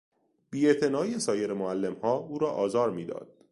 بی اعتنایی سایر معلمها او را آزار میداد.